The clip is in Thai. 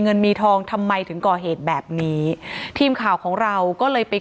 เงินมีทองทำไมถึงก่อเหตุแบบนี้ทีมข่าวของเราก็เลยไป